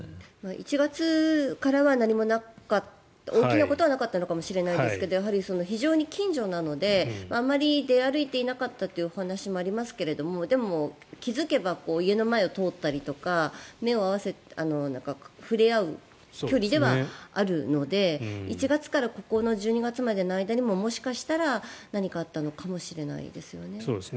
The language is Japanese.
１月からは何も大きなことはなかったかもしれないですがやはり非常に近所なのであまり出歩いていなかったというお話もありますがでも、気付けば家の前を通ったりとか触れ合う距離ではあるので１月から１２月までの間にももしかしたら何かあったのかもしれないですよね。